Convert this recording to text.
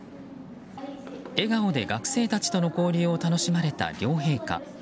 笑顔で学生たちとの交流を楽しまれた両陛下。